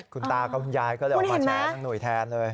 คุณตากับคุณยายก็เลยออกมาแชร์ทั้งหน่วยแทนเลย